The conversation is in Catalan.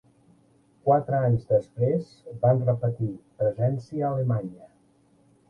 Quatre anys després, van repetir presència a Alemanya.